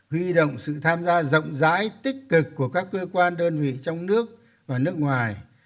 huy động sự tham gia rộng rãi tích cực của các cơ quan đơn vị trong nước và nước ngoài